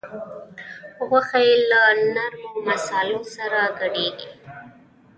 غوښه یې له نرمو مصالحو سره ګډیږي.